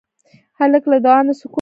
هلک له دعا نه سکون اخلي.